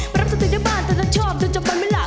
มรับสัตว์ในบ้านแต่เธอชอบแต่จำเป็นเวลา